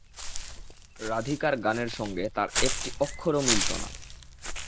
রাধিকার গানের সঙ্গে তার একটি অক্ষরও মিলত না।